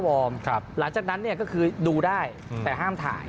หลังจากนั้นเนี่ยก็คือดูได้แต่ห้ามถ่าย